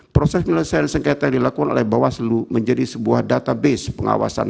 proses penyelesaian sengketa yang dilakukan oleh bawaslu menjadi sebuah database pengawasan